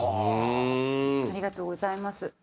ありがとうございます。